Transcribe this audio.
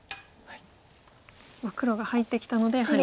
黒が入ってきたのでやはり。